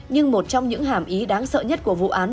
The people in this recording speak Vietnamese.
nhưng một trong những hàm ý đáng sợ nhất của vụ án